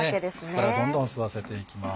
ここからどんどん吸わせていきます。